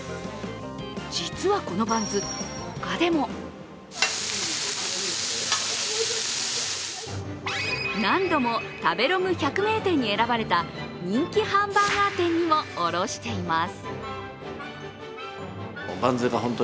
実はこのバンズ、他でも何度も食べログ百名店に選ばれた人気ハンバーガー店にも卸しています。